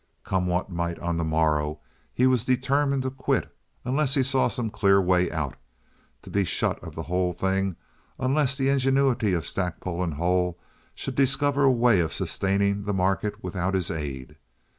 Come what might on the morrow, he was determined to quit unless he saw some clear way out—to be shut of the whole thing unless the ingenuity of Stackpole and Hull should discover a way of sustaining the market without his aid.